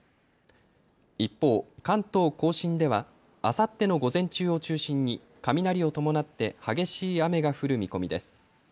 一方、関東甲信ではあさっての午前中を中心に雷を伴って激しい雨が降る見込みです。